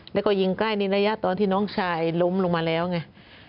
แล้วก็ยิงใกล้ในระยะตอนที่น้องชายล้มลงมาแล้วไง